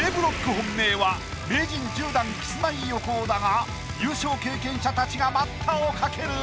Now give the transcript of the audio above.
本命は名人１０段キスマイ横尾だが優勝経験者たちが待ったをかける！